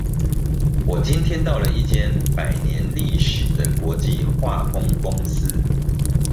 我今天到了一間百年歷史的國際化工公司